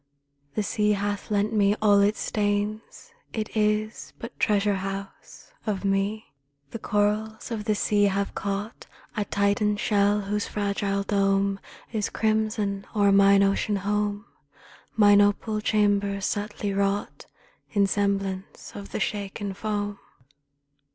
The sea hath lent me all its stains: It is but treasure house of me. The corals of the sea have caught A Titan shell whose fragile dome Is crimson o'er mine ocean home, Mine opal chambers subtly wrought In semblance of the shaken foam.